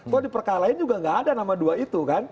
kalau diperkali lain juga nggak ada nama dua itu kan